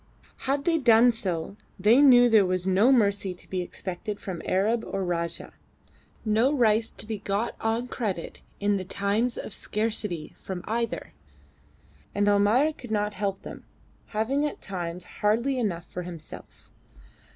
Had they done so they knew there was no mercy to be expected from Arab or Rajah; no rice to be got on credit in the times of scarcity from either; and Almayer could not help them, having at times hardly enough for himself.